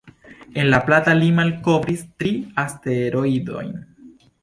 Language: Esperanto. En La Plata li malkovris tri asteroidojn.